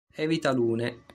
Evita Lune.